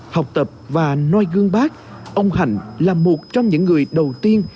học tập và noi gương bác ông hạnh là một trong những người đầu tiên